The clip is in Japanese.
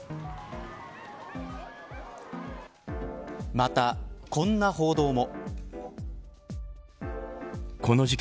また、この報道も。